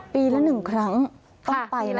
ปีละ๑ครั้งต้องไปแล้ว